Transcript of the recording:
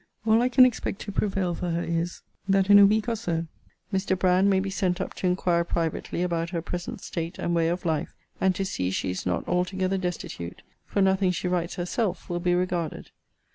All I can expect to prevail for her is, that in a week, or so, Mr. Brand may be sent up to inquire privately about her present state and way of life, and to see she is not altogether destitute: for nothing she writes herself will be regarded.